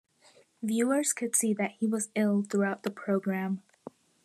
Viewers could see that he was ill throughout the programme.